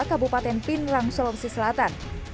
kabupaten pinrang sulawesi selatan